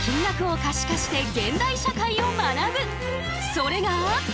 それが。